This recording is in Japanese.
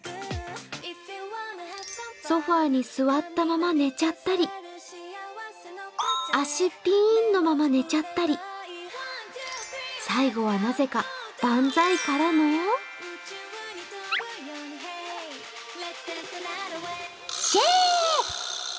ソファーに座ったまま寝ちゃったり足ぴーんのまま寝ちゃったり最後はなぜか、万歳からのシェー！